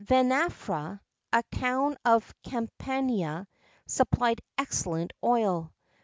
[XII 36] Venafra, a town of Campania, supplied excellent oil.